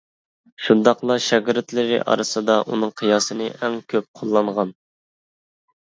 شۇنداقلا شاگىرتلىرى ئارىسىدا ئۇنىڭ قىياسىنى ئەڭ كۆپ قوللانغان.